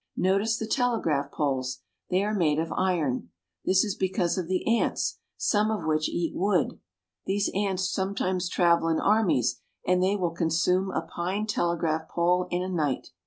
Notice the telegraph poles. They are made of iron. This is because of the ants, some of which eat wood. These ants sometimes travel in armies, and they will con sume a pine telegraph pole in a night.